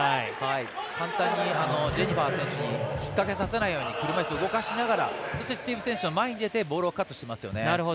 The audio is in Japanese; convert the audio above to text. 簡単にジェニファー選手に引っ掛けさせないように車いすを動かしながら前に出てボールをカットしますよね。